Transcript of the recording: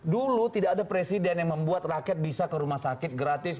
dulu tidak ada presiden yang membuat rakyat bisa ke rumah sakit gratis